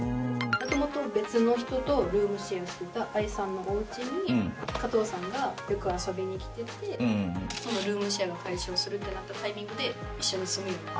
元々別の人とルームシェアしてた愛さんのお家に加藤さんがよく遊びに来ててそのルームシェアが解消するってなったタイミングで一緒に住むようになった。